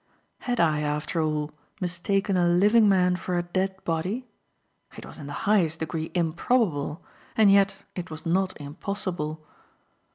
Had I, after all, mistaken a living man for a dead body? It was in the highest degree improbable, and yet it was not impossible.